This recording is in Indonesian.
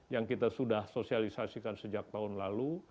yang kita sudah sosialisasikan sejak tahun lalu